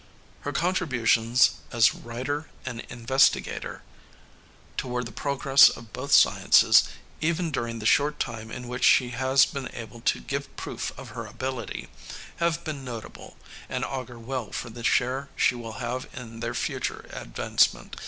Her contributions as writer and investigator toward the progress of both sciences, even during the short time in which she has been able to give proof of her ability, have been notable and augur well for the share she will have in their future advancement.